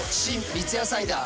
三ツ矢サイダー』